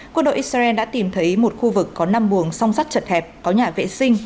quân đội israel đã tìm thấy một khu vực có năm buồng song sắt chật hẹp có nhà vệ sinh